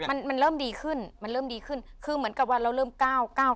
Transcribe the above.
มันมันเริ่มดีขึ้นมันเริ่มดีขึ้นคือเหมือนกับว่าเราเริ่มก้าวเก้า